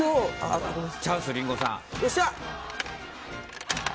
チャンス、リンゴさん！